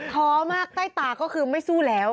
ท้อมากใต้ตาก็คือไม่สู้แล้ว